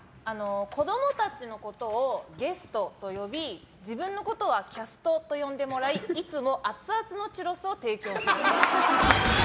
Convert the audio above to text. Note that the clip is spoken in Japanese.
子供たちのことをゲストと呼び自分のことはキャストと呼んでもらいいつもアツアツのチュロスを提供する。